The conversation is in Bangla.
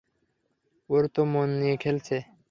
ও তোর মন নিয়ে খেলছে।